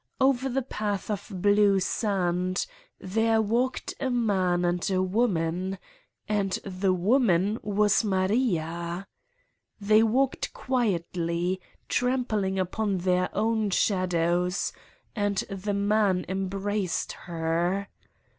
over the path of blue sand there walked a man and a woman and the woman was Maria! They walked quietly, tram pling upon their own shadows, and the man em braced her.